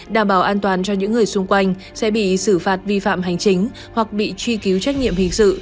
đảm bảo an toàn cho những người xung quanh sẽ bị xử phạt vi phạm hành chính hoặc bị truy cứu trách nhiệm hình sự